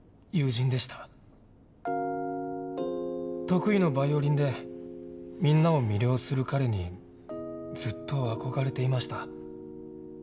得意のバイオリンでみんなを魅了する彼にずっと憧れていました。